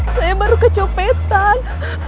saya baru kecopetan